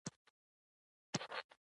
یعنی شکنځل نه کوه